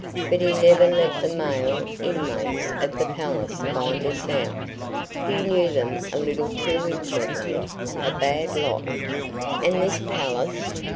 But he never let the male inmates of the palace find this out. He knew them a little too intimately. A bad lot." "And this palace?"